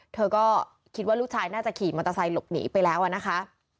เธอก็คิดว่าลูกชายน่าจะขี่มอเตอร์ไซค์หลบหนีไปแล้วอะนะคะ